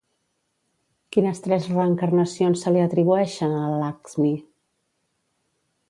Quines tres reencarnacions se li atribueixen a Lakxmi?